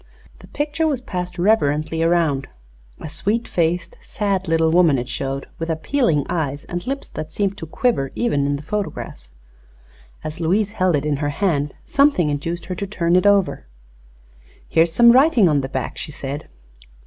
The picture was passed reverently around. A sweet faced, sad little woman it showed, with appealing eyes and lips that seemed to quiver even in the photograph. As Louise held it in her hand something induced her to turn it over. "Here is some writing upon the back," she said.